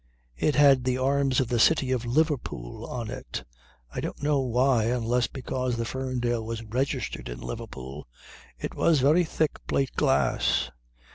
It had the arms of the city of Liverpool on it; I don't know why unless because the Ferndale was registered in Liverpool. It was very thick plate glass.